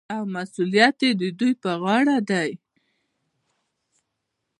او مسوولیت یې د دوی په غاړه دی.